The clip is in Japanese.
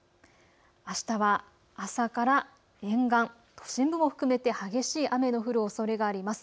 あしたは朝から沿岸、都心部も含めて激しい雨の降るおそれがあります。